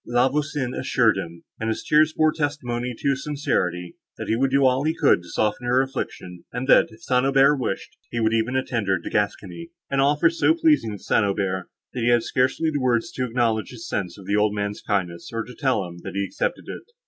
La Voisin assured him, and his tears bore testimony to his sincerity, that he would do all he could to soften her affliction, and that, if St. Aubert wished it, he would even attend her into Gascony; an offer so pleasing to St. Aubert, that he had scarcely words to acknowledge his sense of the old man's kindness, or to tell him, that he accepted it.